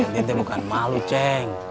ntinte bukan malu ceng